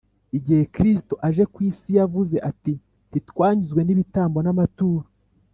igihe kristu aje ku isi yavuze ati: “ntiwanyuzwe n’ibitambo n’amaturo